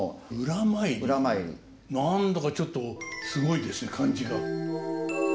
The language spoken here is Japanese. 何だかちょっとすごいですね感じが。